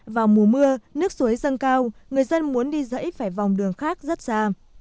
vào mùa mưa nước suối dâng cao người dân muốn đi dãy phải vòng đường khác rất xa